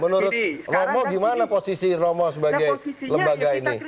menurut romo gimana posisi romo sebagai lembaga ini